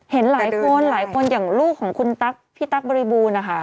เห็นหลายคนหลายคนอย่างลูกของคุณตั๊กพี่ตั๊กบริบูรณ์นะคะ